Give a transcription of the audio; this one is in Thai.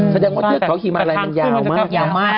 แสดงว่าเทียดของหิมะไล่มันยาวมาก